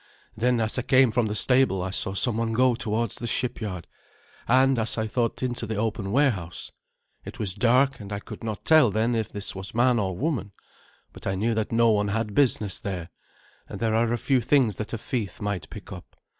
Then as I came from the stable I saw someone go towards the shipyard, and, as I thought, into the open warehouse. It was dark, and I could not tell then if this was man or woman; but I knew that no one had business there, and there are a few things that a thief might pick up.